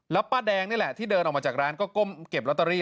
แล้วป้าแดงนี่แหละที่เดินออกมาจากร้านก็ก้มเก็บลอตเตอรี่